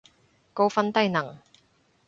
高分低能